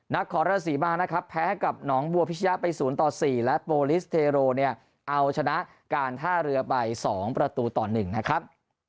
นครราชศรีมานะครับแพ้กับหนองบัวพิชยะไป๐ต่อ๔และโปรลิสเทโรเนี่ยเอาชนะการท่าเรือไป๒ประตูต่อ๑นะครับ